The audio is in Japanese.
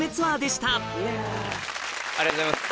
ありがとうございます。